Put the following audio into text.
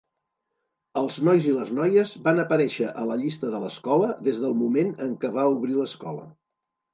Els nois i les noies van aparèixer a la llista de l"escola des del moment en que va obrir l"escola.